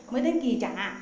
mới đến kỳ trả